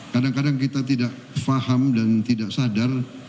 kadang kadang kita tidak faham dan tidak sadar